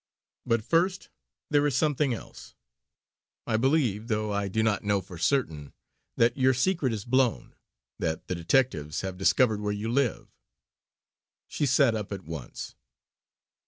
But first there is something else. I believe, though I do not know for certain, that your secret is blown; that the detectives have discovered where you live." She sat up at once.